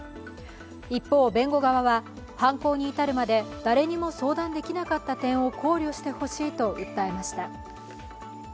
一方、弁護側は、犯行に至るまで誰にも相談できなかった点を考慮してほしいと訴えました。